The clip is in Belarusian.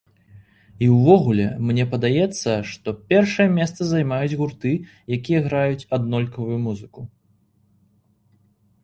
І ўвогуле, мне падаецца, што першае месца займаюць гурты, якія граюць аднолькавую музыку.